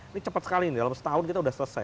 ini cepat sekali ini dalam setahun kita sudah selesai